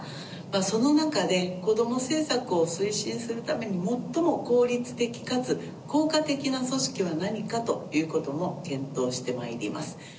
その中で、子ども政策を推進するために、最も効率的かつ効果的な組織は何かということも検討してまいります。